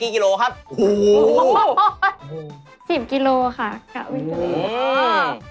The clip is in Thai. ๑๐กิโลค่ะแล้ว